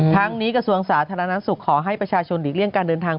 ทั้งนี้กระทรวงสาธารณสุขขอให้ประชาชนหลีกเลี่ยงการเดินทาง